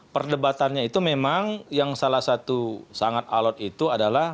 perdebatannya itu memang yang salah satu sangat alot itu adalah